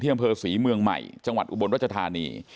อำเภอศรีเมืองใหม่จังหวัดอุบลรัชธานี